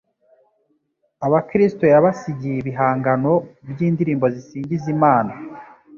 abakristu yabasigiye ibihangano by' indirimbo zisingiza Imana